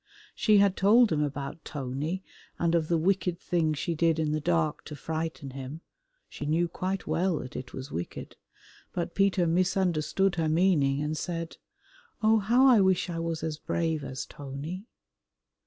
She had told him about Tony and of the wicked thing she did in the dark to frighten him (she knew quite well that it was wicked), but Peter misunderstood her meaning and said, "Oh, how I wish I was as brave as Tony."